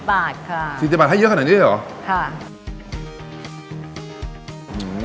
บาทค่ะสี่สิบบาทให้เยอะขนาดนี้ได้หรอค่ะ